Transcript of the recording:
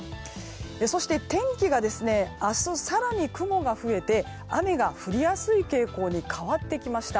そして、天気が明日更に雲が増えて雨が降りやすい傾向に変わってきました。